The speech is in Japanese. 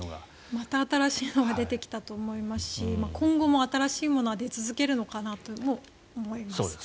また新しいのが出てきたと思いますし今後も新しいものは出続けるのかなとも思います。